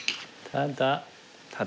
ただ。